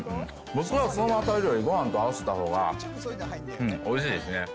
僕はそのまま食べるより、ごはんと合わせたほうがおいしいですね。